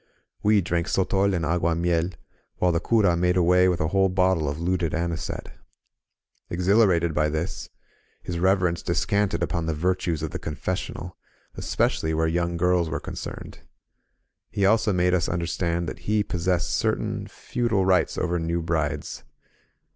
We drank sotol and agtuimiel, while ihe cura made away with a whole bottle of looted anisette. Exhilarated by this. His Reverence descanted upon the virtues of the confessional, especially where young girls were concerned. He also made us understand that he possessed certain feudal rights over new brides.